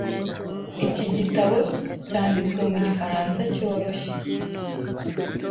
Iki gitabo cyanditswe mu gifaransa cyoroshye .